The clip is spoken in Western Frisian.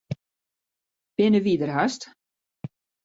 Binne wy der hast?